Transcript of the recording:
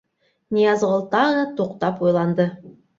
— Ныязғол тағы туҡтап уйланды.